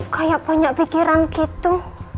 kayak banyak pikiran gitu